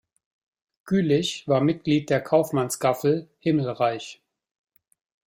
Gülich war Mitglied der Kaufmanns-Gaffel „Himmelreich“.